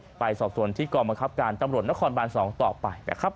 ต่อไปสอบส่วนที่กรมาครับการตำรวจนครบาน๒ต่อไป